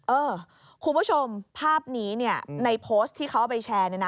เออคุณผู้ชมภาพนี้ในโพสต์ที่เขาเอาไปแชร์